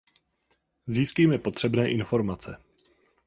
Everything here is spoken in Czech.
Získejme potřebné informace.